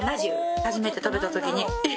初めて食べた時にえっ？